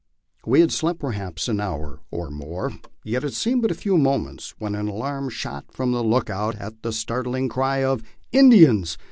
We had slept perhaps an hour or more, yet it seemed but a few moments, when an alarm shot from the lookout and the startling cry of "Indians!